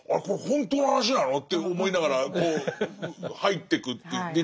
これ本当の話なの？って思いながら入ってくっていう。